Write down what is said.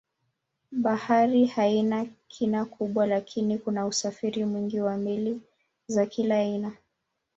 Bahari haina kina kubwa lakini kuna usafiri mwingi wa meli za kila aina.